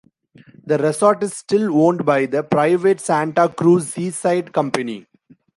The resort is still owned by the private Santa Cruz Seaside Company.